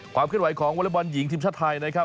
ความเคลื่อนไหวของวอเล็กบอลหญิงทีมชาติไทยนะครับ